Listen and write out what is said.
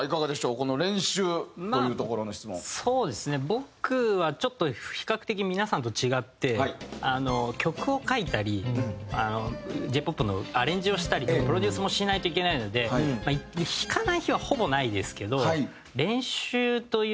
僕はちょっと比較的皆さんと違って曲を書いたりＪ−ＰＯＰのアレンジをしたりとかプロデュースもしないといけないので弾かない日はほぼないですけど。